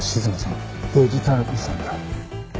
デジタル遺産だ。